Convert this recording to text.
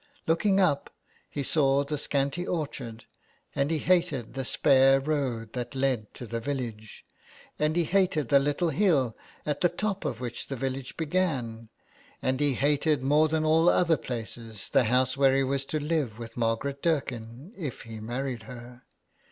Looking up, he saw the scanty orchard, and he hated the spare road that led to the village, and he hated the little hill at the top of which the village began, and he hated more than all other places the house where he was to live with Margaret Dirken — if he married her.